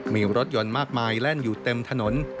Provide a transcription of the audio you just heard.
มีรถยนต์มากมายแล่นอยู่เต็มถนน